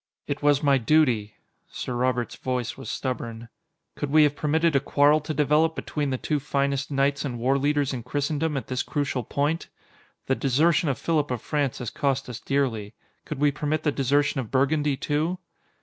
"It was my duty." Sir Robert's voice was stubborn. "Could we have permitted a quarrel to develop between the two finest knights and warleaders in Christendom at this crucial point? The desertion of Philip of France has cost us dearly. Could we permit the desertion of Burgundy, too?"